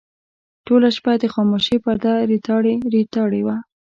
ټوله شپه د خاموشۍ پرده ریتاړې ریتاړې وه.